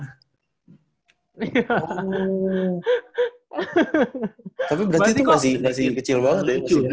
tapi berarti itu masih kecil banget ya